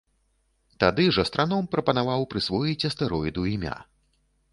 Тады ж астраном прапанаваў прысвоіць астэроіду імя.